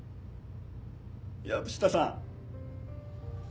藪下さん。